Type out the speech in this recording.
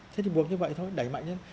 thế thì buộc như vậy thôi đẩy mạnh lên